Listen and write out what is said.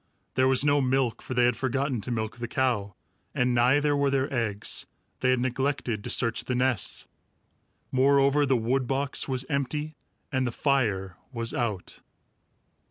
There was no milk, for they had forgotten to milk the cow, and neither were there eggs. They had neglected to search the nests. Moreover, the wood box was empty, and the fire was out.